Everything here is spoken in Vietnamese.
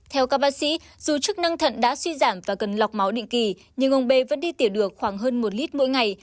theo các bác sĩ dù chức năng thận đã suy giảm và cần lọc máu định kỳ nhưng ông b vẫn đi tiểu được khoảng hơn một lít mỗi ngày